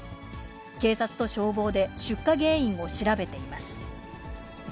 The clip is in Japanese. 警察と消防で、出火原因を調べています。